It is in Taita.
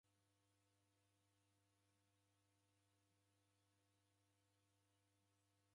Wadwae miaka ikumi kuw'uya tajiri.